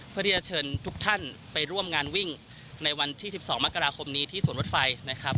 เพื่อที่จะเชิญทุกท่านไปร่วมงานวิ่งในวันที่๑๒มกราคมนี้ที่สวนรถไฟนะครับ